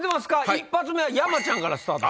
１発目山ちゃんからスタート。